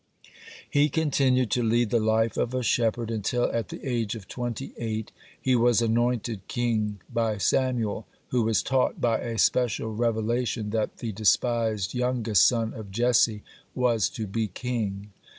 (17) He continued to lead the life of a shepherd until, at the age of twenty eight, (18) he was anointed king by Samuel, who was taught by a special revelation that the despised youngest son of Jesse was to be king.